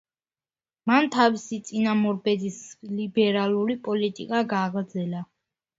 მან თავისი წინამორბედის ლიბერალური პოლიტიკა გააგრძელა.